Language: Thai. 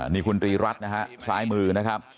นี่คุณตรีรัฐนะฮะซ้ายมือนะครับ